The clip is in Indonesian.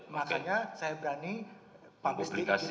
makanya saya berani publikasi